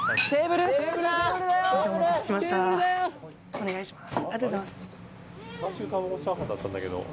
お願いします。